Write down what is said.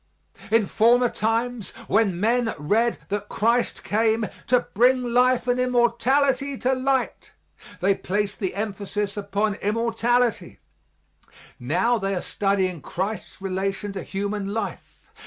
In former times when men read that Christ came "to bring life and immortality to light," they placed the emphasis upon immortality; now they are studying Christ's relation to human life.